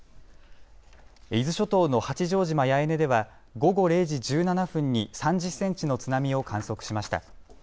伊豆諸島の八丈島八重根では午後０時１７分に３０センチの津波を観測しました。